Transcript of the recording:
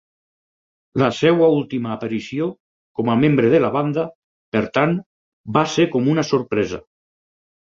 La seva última aparició com a membre de la banda, per tant, va ser com una sorpresa.